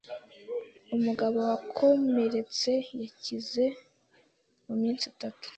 Umugabo wakomeretse yakize mu minsi itatu.